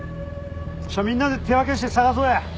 みんなで手分けして捜そうや。